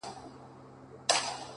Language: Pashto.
پربت باندي يې سر واچوه؛